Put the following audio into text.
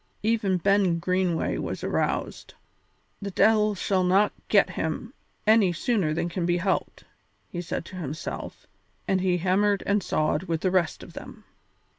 Even Ben Greenway was aroused. "The de'il shall not get him any sooner than can be helped," he said to himself, and he hammered and sawed with the rest of them.